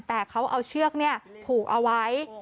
แต่เขาเอาเชือกผูกเอาไว้